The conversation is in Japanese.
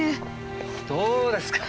どうですか？